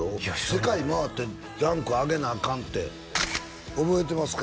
世界回ってランク上げなアカンって覚えてますか？